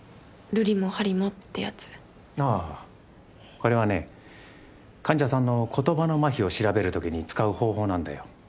これはね患者さんの言葉のまひを調べるときに使う方法なんだよ。